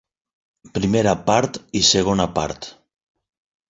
Primera part i segona part.